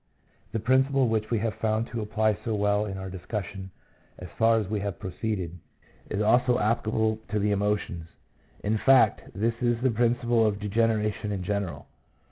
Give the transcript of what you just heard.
The principle, which we have found to apply so well in our dis cussion as far as we have proceeded, is also applicable to the emotions ; in fact, this is the principle of de generation in general.